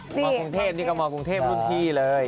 มากรุงเทพนี่ก็มากรุงเทพรุ่นพี่เลย